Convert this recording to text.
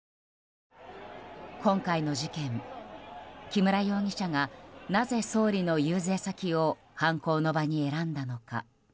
今回の事件、木村容疑者がなぜ総理の遊説先を犯行の場に選んだのか。